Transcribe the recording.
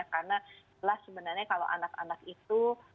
karena sebenarnya kalau anak anak itu